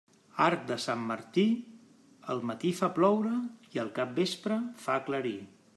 Arc de Sant Martí, el matí fa ploure i el capvespre fa aclarir.